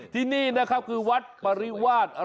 ที่นี่นะครับคือวัดปริวาส